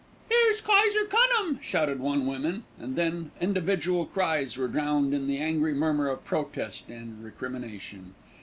"'Ere's Kayser Cunham," shouted one woman, and then individual cries were drowned in the angry murmur of protest and recrimination.